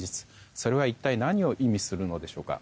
それは一体何を意味するのでしょうか。